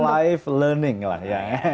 live learning lah ya